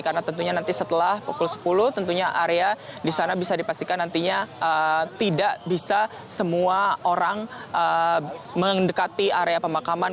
karena tentunya nanti setelah pukul sepuluh tentunya area di sana bisa dipastikan nantinya tidak bisa semua orang mendekati area pemakaman